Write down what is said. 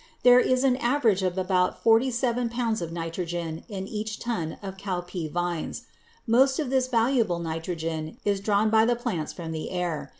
There is an average of about forty seven pounds of nitrogen in each ton of cowpea vines. Most of this valuable nitrogen is drawn by the plants from the air.